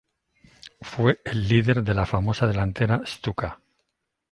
Fue el líder de la famosa delantera "Stuka".